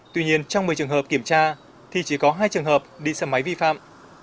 tuy nhiên trong một mươi trường hợp kiểm tra thì chỉ có hai trường hợp đi xe máy vi phạm